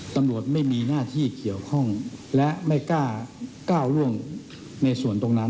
ตำรวจไม่มีหน้าที่เกี่ยวข้องและไม่กล้าก้าวร่วงในส่วนตรงนั้น